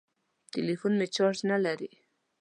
ټليفون مې چارچ نه لري.